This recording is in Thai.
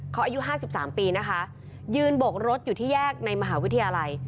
เขาอายุ๕๓ปีนะคะยืนโบกรถอยู่ที่แยกในมหาวิทยาลัย